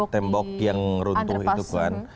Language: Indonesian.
tembok yang runtuh itu puan